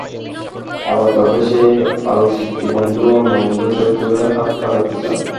আবার তাঁদের সেই আলোকচিত্রী বন্ধুও অন্য বন্ধুদের ছবি তুলে হাত পাকাতে চান।